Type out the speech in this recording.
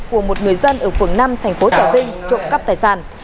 của một người dân ở phường năm thành phố trà vinh trộm cắp tài sản